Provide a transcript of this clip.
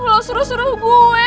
lo suruh suruh gue